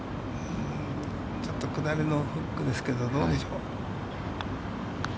ちょっと下りのフックですけど、どうでしょう。